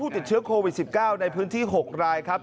ติดเชื้อโควิด๑๙ในพื้นที่๖รายครับ